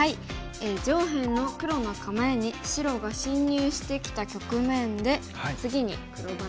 上辺の黒の構えに白が侵入してきた局面で次に黒番ですね。